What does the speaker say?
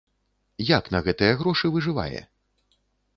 Як на гэтыя грошы выжывае?